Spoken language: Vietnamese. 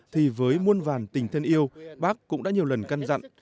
thì với muôn vàn tình thân yêu bác cũng đã nhiều lần căn dặn